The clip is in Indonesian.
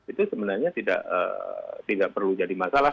itu sebenarnya tidak perlu jadi masalah